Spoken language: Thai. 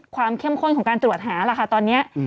เข้มข้นของการตรวจหาล่ะค่ะตอนนี้